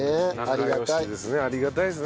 ありがたいですね。